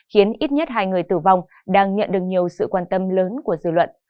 khiến ít nhất hai người tử vong đang nhận được nhiều sự quan tâm lớn của dư luận